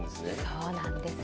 そうなんです。